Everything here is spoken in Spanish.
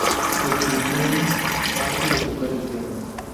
Escribió un "Arte de tocar el piano".